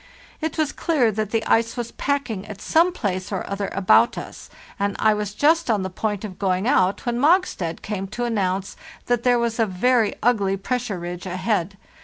It was clear that the ice was packing at some place or other about us, and I was just on the point of going out when Mogstad came to announce that there was a very ugly pressure ridge ahead.